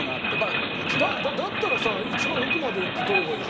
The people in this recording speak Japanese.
だったらさ一番奥まで行って撮ればいいじゃん。